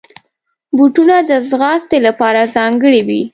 بوټونه د ځغاستې لپاره ځانګړي وي.